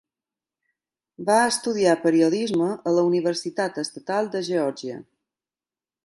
Va estudiar periodisme a la Universitat Estatal de Geòrgia.